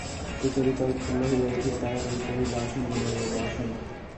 সুচরিতা উৎফুল্ল হইয়া উঠিয়া তাড়াতাড়ি কহিল, আসুন, বিনয়বাবু, আসুন।